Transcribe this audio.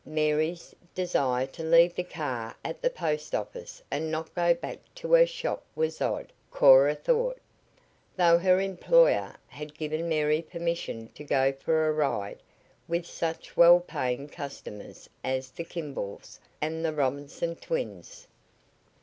Mary's desire to leave the car at the post office and not go back to her shop was odd, Cora thought, though her employer had given Mary permission to go for a ride with such well paying customers as the Kimballs and the Robinson twins.